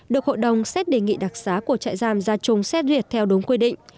được hội đồng xét đề nghị đặc sá của chạy giam gia trung xét duyệt theo đúng quy định